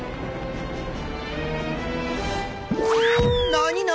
何何？